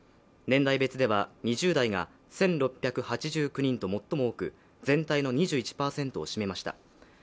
年代別では２０代が１６８９人と最も多く全体の２１％を占めました。